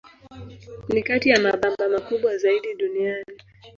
Ni kati ya mabamba makubwa zaidi duniani.